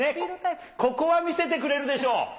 ここは見せてくれるでしょう。